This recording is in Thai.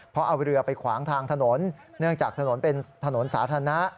เพราะเอาเรือไปขวางทางถนนเนื่องจากถนนเป็นถนนสาธารณะ